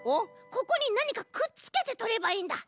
ここになにかくっつけてとればいいんだ。